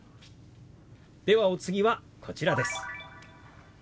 ではお次はこちらです。